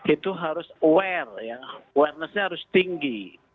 itu harus aware ya awarenessnya harus tinggi